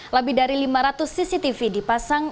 lebih dari lima ratus cctv dipasang